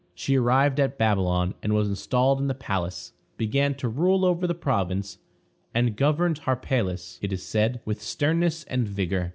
She arrived at Babylon, and was installed in the palace; began to rule over the province, and governed Harpalus, it is said, with sternness and vigor.